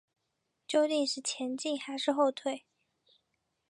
究竟前进还是后退？